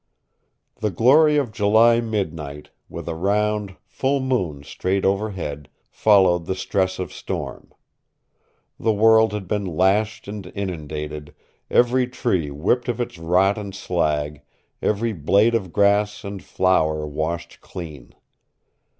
The glory of July midnight, with a round, full moon straight overhead, followed the stress of storm. The world had been lashed and inundated, every tree whipped of its rot and slag, every blade of grass and flower washed clean.